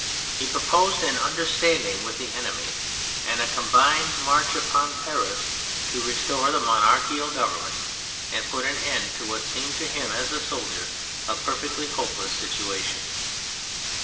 He proposed an understand ing with the enemy and a combined march 170 THE FRENCH REVOLUTION mpon Paris to restore the monarchical govern ment, and put an end to what seemed to him, as a soldier, a perfectly hopeless situation.